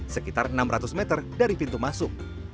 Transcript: sekitar enam ratus meter dari pintu masuk